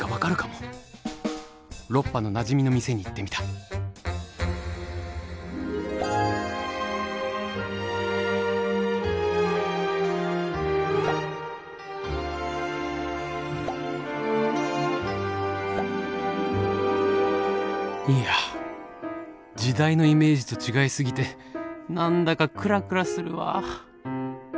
ロッパのなじみの店に行ってみたいや時代のイメージと違いすぎて何だかクラクラするわぁ。